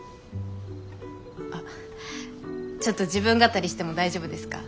あっちょっと自分語りしても大丈夫ですか？